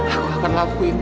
aku akan lakukan